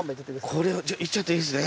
これじゃいっちゃっていいんすね？